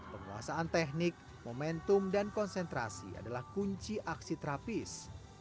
penguasaan teknik momentum dan konsentrasi adalah kunci aksi terapis